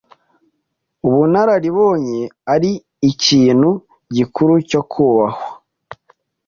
ubunararibonye ari ikintu gikuru cyo kubahwa